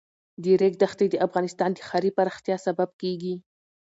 د ریګ دښتې د افغانستان د ښاري پراختیا سبب کېږي.